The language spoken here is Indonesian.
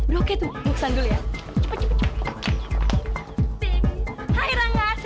lo tuh jahat banget sih